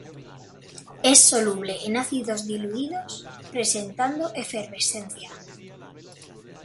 Es soluble en ácidos diluidos, presentando efervescencia.